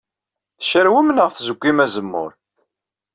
Tcarwem neɣ tzeggim azemmur?